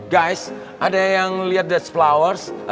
guys ada yang lihat this flowers